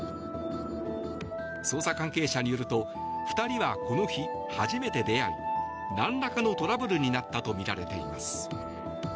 捜査関係者によると２人は、この日初めて出会い何らかのトラブルになったとみられています。